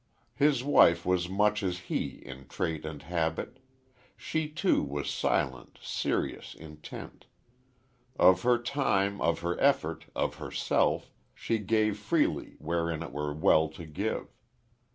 His wife was much as he in trait and habit. She, too, was silent, serious, intent. Of her time, of her effort, of herself, she gave freely wherein it were well to give.